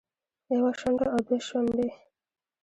يوه شونډه او دوه شونډې